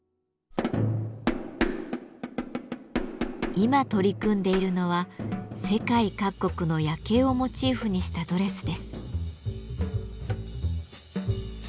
今取り組んでいるのは世界各国の夜景をモチーフにしたドレスです。